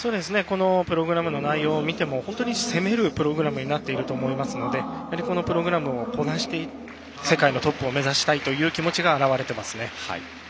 プログラムの内容を見ても本当に攻めるプログラムになっていると思いますのでこのプログラムをこなして世界のトップを目指したいという気持ちが表れてますね。